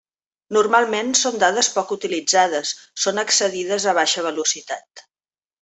Normalment són dades poc utilitzades, són accedides a baixa velocitat.